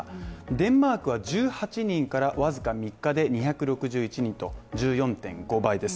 デンマークは１８人からわずか３日で２６１人と、１４．５倍です